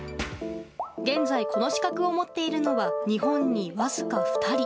現在、この資格を持っているのは日本にわずか２人。